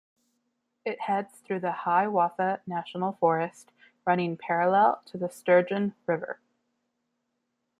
It heads through the Hiawatha National Forest, running parallel to the Sturgeon River.